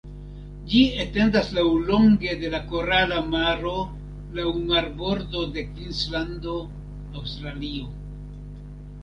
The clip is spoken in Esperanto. Ĝi etendas laŭlonge de la Korala Maro laŭ marbordo de Kvinslando, Aŭstralio.